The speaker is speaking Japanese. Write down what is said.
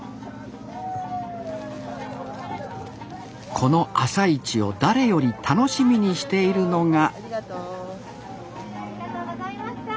この朝市を誰より楽しみにしているのがありがとう。